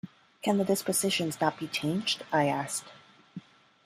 “Can the dispositions not be changed?” I asked.